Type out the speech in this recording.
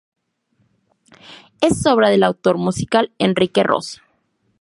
Es obra del autor musical Enrique Ros.